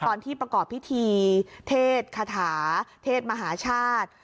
ตอนที่ประกอบพิธีเทศคาถาเทศมหาชาติ